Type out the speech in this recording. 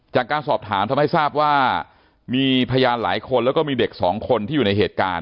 จากการสอบถามทำให้ทราบว่ามีพยานหลายคนแล้วก็มีเด็กสองคนที่อยู่ในเหตุการณ์